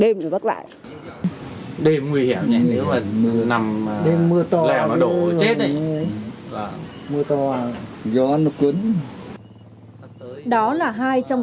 đêm nguy hiểm nha nếu mà nằm lẻo nó đổ chết thì gió nó cuốn